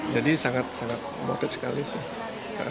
jadi sangat sangat awarded sekali sih